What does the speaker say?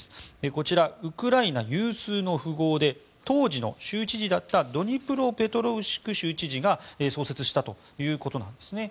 こちら、ウクライナ有数の富豪で当時の州知事だったドニプロペトロウシク州知事が創設したということなんです。